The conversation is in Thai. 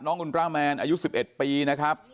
อุลตราแมนอายุ๑๑ปีนะครับ